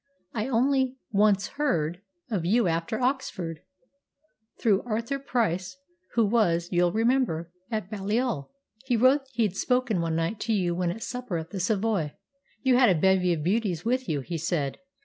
I only once heard of you after Oxford through Arthur Price, who was, you'll remember, at Balliol. He wrote that he'd spoken one night to you when at supper at the Savoy. You had a bevy of beauties with you, he said."